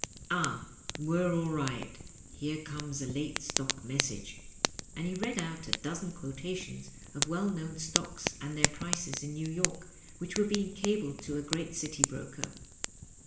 Ah, we're all right ; here comes a late stock message/' and he read out a dozen quotations of well known stocks and their prices in Kew York, which were being cabled to a great citj broker.